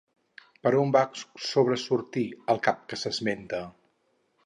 Per on va sobresortir el cap que s'esmenta?